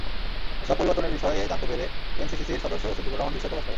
এসব পরিবর্তনের বিষয়ে জানতে পেরে এনসিসিসির সদস্য ছিদ্দিকুর রহমান বিস্ময় প্রকাশ করেন।